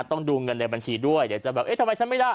ต้องดูเงินในบัญชีด้วยเดี๋ยวจะแบบเอ๊ะทำไมฉันไม่ได้